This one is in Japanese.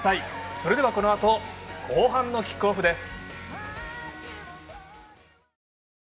それでは、このあと後半のキックオフです。